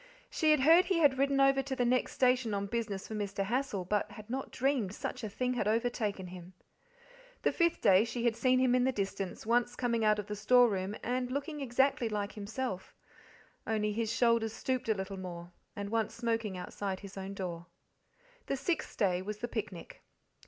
She had heard he had ridden over to the next station on business for Mr. Hassal, but had not dreamed such 'a thing had overtaken him. The fifth day she had seen him in the distance, once coming out of the storeroom and looking exactly like himself, only his shoulders stooped a little more, and once smoking outside his own door. The sixth day was the picnic.